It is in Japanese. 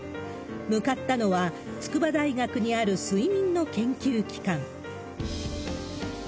向かったのは、筑波大学にある睡眠の研究機関。